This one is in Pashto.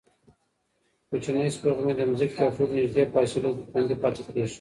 کوچنۍ سپوږمۍ د ځمکې تر ټولو نږدې فاصلو کې خوندي پاتې کېږي.